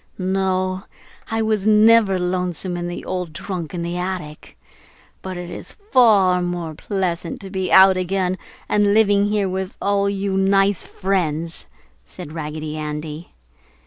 "No, I was never lonesome in the old trunk in the attic, but it is far more pleasant to be out again and living here with all you nice friends!" said Raggedy Andy.